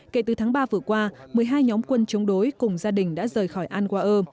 kể từ tháng ba vừa qua một mươi hai nhóm quân chống đối cùng gia đình đã rời khỏi anwa